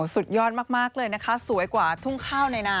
สุดยอดมากเลยนะคะสวยกว่าทุ่งข้าวในนา